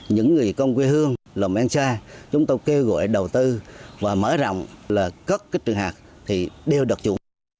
những người công quê hương lòng an xa chúng tôi kêu gọi đầu tư và mở rộng là các trường hạt thì đều được chủ